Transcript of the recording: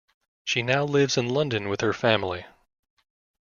She now lives in London with her family.